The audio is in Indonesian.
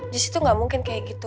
jessy tuh gak mungkin kayak gitu